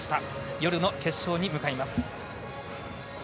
夜の決勝に向かいます。